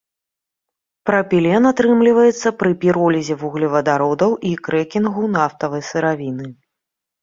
Прапілен атрымліваецца пры піролізе вуглевадародаў і крэкінгу нафтавай сыравіны.